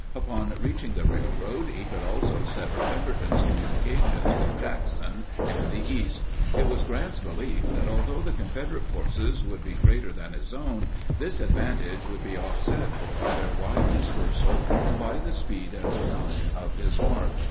Upon reaching the railroad, he could also sever Pemberton's communications with Jackson and the East. It was Grant's belief that, although the Confederate forces would be greater than his own, this advantage would be offset by their wide dispersal and by the speed and design of his march.